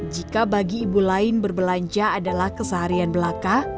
jika bagi ibu lain berbelanja adalah keseharian belaka